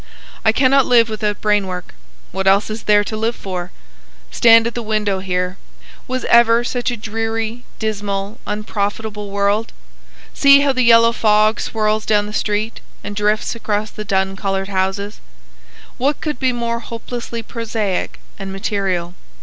I cannot live without brain work. What else is there to live for? Stand at the window here. Was ever such a dreary, dismal, unprofitable world? See how the yellow fog swirls down the street and drifts across the dun coloured houses. What could be more hopelessly prosaic and material?